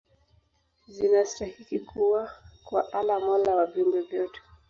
zinastahiki kwa Allah mola wa viumbe vyote